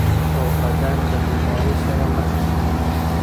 او بدن د بيمارۍ سره مخ شي -